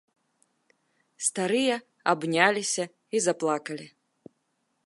Старыя абняліся і заплакалі.